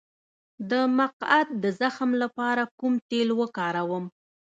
د مقعد د زخم لپاره کوم تېل وکاروم؟